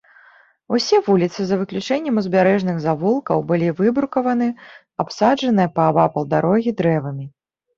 Усе вуліцы, за выключэннем узбярэжных завулкаў, былі выбрукаваны, абсаджаны паабапал дарогі дрэвамі.